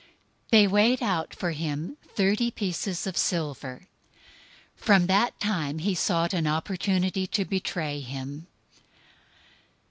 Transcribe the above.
They weighed out for him thirty pieces of silver. 026:016 From that time he sought opportunity to betray him.